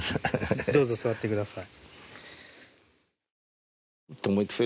どうぞ座ってください。